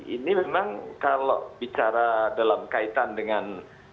ini memang kalau bicara dalam kaitan dengan